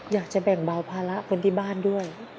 อยากจะแบ่งเบาภาระคนที่บ้านด้วย